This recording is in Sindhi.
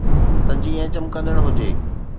ته جيئن چمڪندڙ هجي.